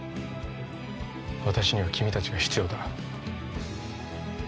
私には君たちが必要だ